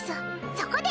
そこで！